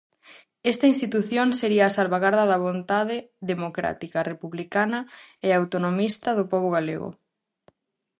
Esta institución sería a salvagarda da vontade democrática, republicana e autonomista do pobo galego.